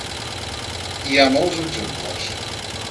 Hi ha molts exemples.